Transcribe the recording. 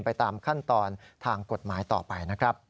ไปตามขั้นตอนทางกฎหมายต่อไปนะครับ